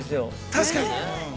◆確かに。